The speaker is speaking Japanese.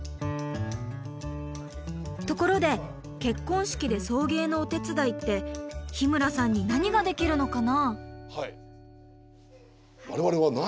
ところで結婚式で送迎のお手伝いって日村さんに何ができるのかな？